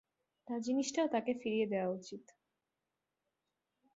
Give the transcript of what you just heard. তার জিনিসটাও তাকে ফিরিয়ে দেয়া উচিত।